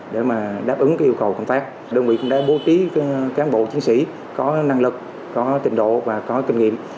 đồng bộ cũng đã bố trí các cán bộ chiến sĩ có năng lực có tình độ và có kinh nghiệm